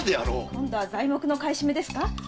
今度は材木の買い占めですか？